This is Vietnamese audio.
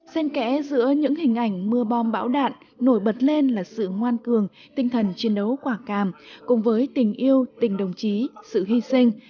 sen kẽ giữa những hình ảnh mưa bom bão đạn nổi bật lên là sự ngoan cường tinh thần chiến đấu quả càm cùng với tình yêu tình đồng chí sự hy sinh